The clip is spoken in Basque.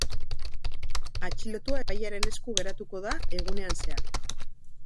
Atxilotua epailearen esku geratuko da egunean zehar.